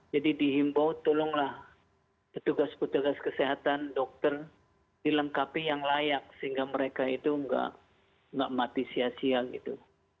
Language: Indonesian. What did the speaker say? jadi dihimpau tolonglah petugas petugas kesehatan dokter dilengkapi yang layak sehingga mereka itu nggak mati sia sia gitu